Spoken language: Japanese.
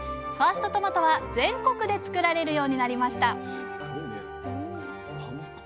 ファーストトマトは全国で作られるようになりました